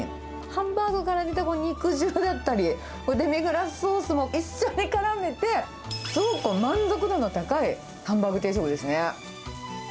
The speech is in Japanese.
ハンバーグから出た肉汁だったり、デミグラスソースも一緒にからめて、すごく満足度の高いハンバーグ定食ですね。